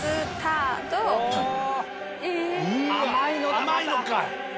甘いのかい！